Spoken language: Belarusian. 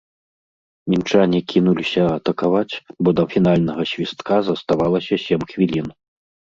Мінчане кінуліся атакаваць, бо да фінальнага свістка заставалася сем хвілін.